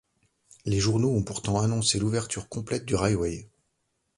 Les journaux ont pourtant annoncé l’ouverture complète du railway!